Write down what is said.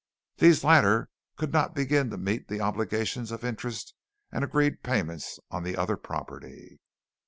These latter could not begin to meet the obligations of interest and agreed payments on the other property.